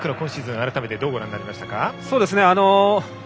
改めて、どうご覧になりましたか。